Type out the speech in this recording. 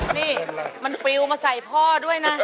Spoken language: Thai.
นี่มันปลิวมาใส่พ่อด้วยนะ